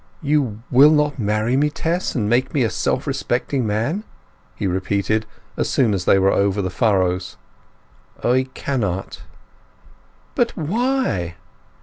"You will not marry me, Tess, and make me a self respecting man?" he repeated, as soon as they were over the furrows. "I cannot." "But why?"